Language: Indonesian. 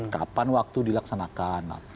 kapan waktu dilaksanakan